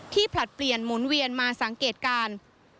ผลัดเปลี่ยนหมุนเวียนมาสังเกตการ